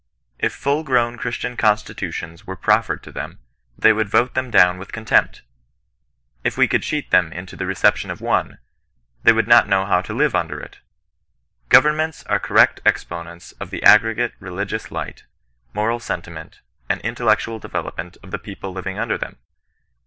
If full grown Christian constitutions were proffered to them, they would vote them down with contempt. If we could cheat them into the reception of one, they would not know how to live under it. Governments are correct exponents of the aggregate religious light, moral sentiment, and intellectual development of the people living under them.